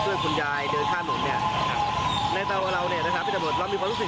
ซึ่งเมื่อกี้ผมถามว่ายายแล้วลูกหลานยายเป็นไหน